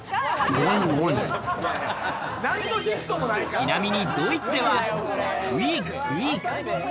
ちなみにドイツでは、クィーク、クィーク。